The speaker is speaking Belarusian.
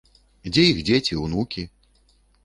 Дзе іх дзеці, унукі?